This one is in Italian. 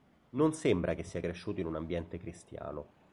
Non sembra che sia cresciuto in un ambiente cristiano.